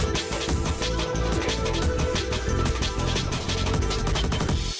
แล้วไม่ต้องปล่อย